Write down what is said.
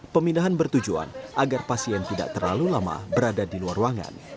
pemindahan bertujuan agar pasien tidak terlalu lama berada di luar ruangan